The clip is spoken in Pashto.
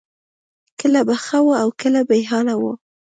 کله به ښه وه او کله به بې حاله وه